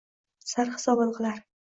Sarhisobin kilar